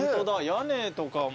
屋根とかも。